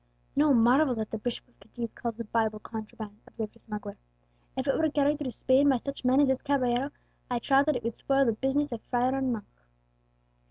"No marvel that the Bishop of Cadiz calls the Bible contraband," observed a smuggler; "if it were carried through Spain by such men as this caballero, I trow that it would spoil the business of friar and monk."